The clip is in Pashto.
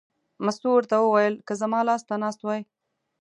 مستو ورته وویل: که زما لاس ته ناست وای.